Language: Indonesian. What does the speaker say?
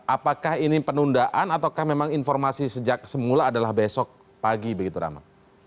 apakah ini penundaan ataukah memang informasi sejak semula adalah besok pagi begitu rama